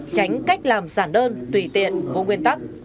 tránh cách làm giản đơn tùy tiện vô nguyên tắc